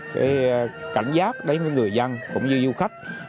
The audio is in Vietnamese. cái cảnh giác đến người dân cũng như du khách